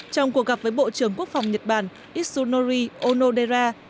trong cuộc gặp với bộ trưởng quốc phòng nhật bản isunori onodera